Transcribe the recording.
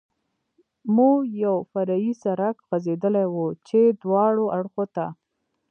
مو یو فرعي سړک غځېدلی و، چې دواړو اړخو ته.